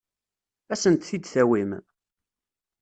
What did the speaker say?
Ad asent-t-id-tawim?